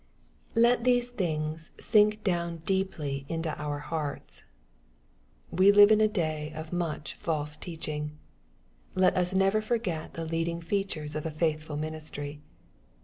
Let tliese things sink down deeply into our hearts. We live in a day of much false teaching. Let us never forget the leading features of a faithful ministry.